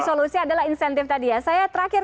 solusi adalah insentif tadi ya saya terakhir